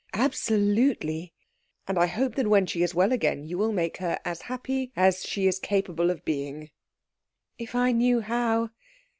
"Absolutely." "And I hope that when she is well again you will make her as happy as she is capable of being." "If I knew how!"